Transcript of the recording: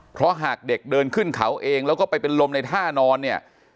เพราะหากเด็กเดินขึ้นเขาเองแล้วก็ไปเป็นลมในท่านอนเนี่ย